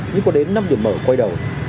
nhưng có đến năm điểm mở quay đầu